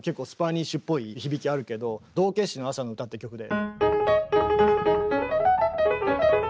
「道化師の朝の歌」って曲で。